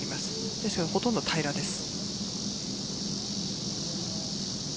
ですからほとんど平らです。